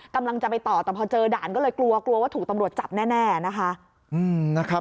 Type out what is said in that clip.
กำลังจะไปต่อแต่พอเจอด่านก็เลยกลัวกลัวว่าถูกตำรวจจับแน่นะคะ